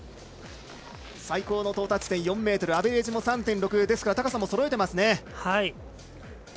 最高の到達点は４ｍアベレージも３．６ですから高さもそろえています。